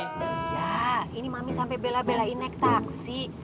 iya ini mami sampe bela belain naik taksi